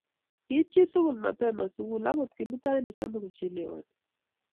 Kiit chitkul mapema sikul akot Kimutai nechame kochelewani